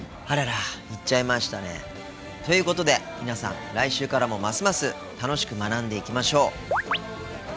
あらら行っちゃいましたね。ということで皆さん来週からもますます楽しく学んでいきましょう。